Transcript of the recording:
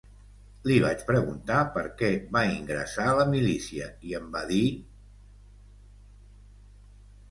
Li vaig preguntar per què va ingressar a la milícia i em va dir: